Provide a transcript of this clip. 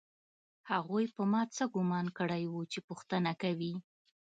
هغوی په ما څه ګومان کړی و چې پوښتنه کوي